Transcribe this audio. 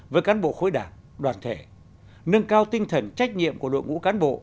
với cán bộ khối đảng đoàn thể nâng cao tinh thần trách nhiệm của đội ngũ cán bộ